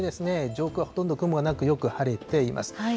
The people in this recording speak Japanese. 上空はほとんど雲がなく、よく晴れています。